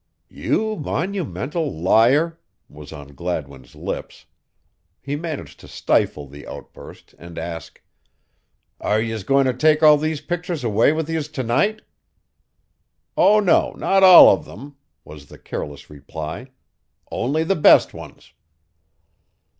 "You monumental liar," was on Gladwin's lips. He managed to stifle the outburst and ask: "Are yez goin' to take all these pictures away with yez to night?" "Oh, no, not all of them," was the careless reply. "Only the best ones."